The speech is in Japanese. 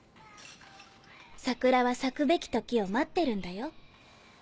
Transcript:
桜は咲くべき時を待ってるんだよ。